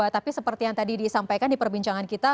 tapi seperti yang tadi disampaikan di perbincangan kita